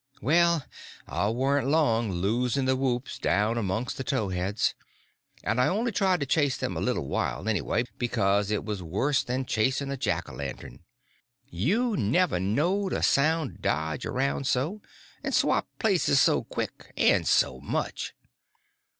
Well, I warn't long loosing the whoops down amongst the towheads; and I only tried to chase them a little while, anyway, because it was worse than chasing a Jack o' lantern. You never knowed a sound dodge around so, and swap places so quick and so much.